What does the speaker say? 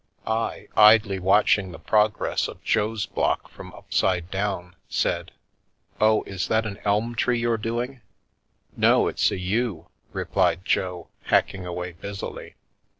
I, idly watching the progress of Jo's block from upside down, said :" Oh, is that an elm tree you're doing?" "No, it's a yew," replied Jo, hacking away busily.